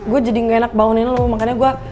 gue jadi gak enak bangunin lo makanya gue